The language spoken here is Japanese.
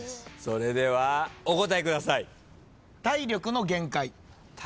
それではお答えください。